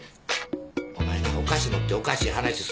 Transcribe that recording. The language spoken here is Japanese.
お前なお菓子持っておかしい話すな。